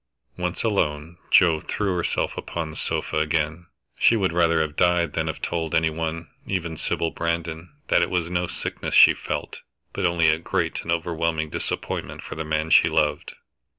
Once alone, Joe threw herself upon the sofa again. She would rather have died than have told any one, even Sybil Brandon, that it was no sickness she felt, but only a great and overwhelming disappointment for the man she loved.